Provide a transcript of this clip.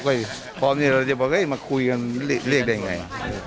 ว่ามาคุยกันเล็กได้ไหม